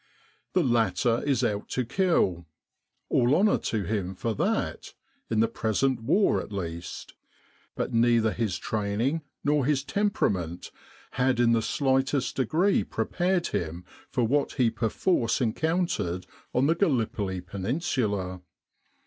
The latter is out to kill all honour to him for that in the present war at least but neither his training nor his temperament had in the slightest degree prepared him for what he perforce encountered on the Gallipoli Peninsula.